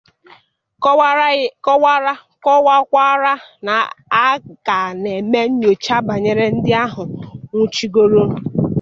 kọwàkwara na a ka na-eme nnyocha banyere ndị ahụ a nwụchikọrọ